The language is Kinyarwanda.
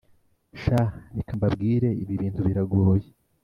sha reka mbabwire ibi bintu biragoye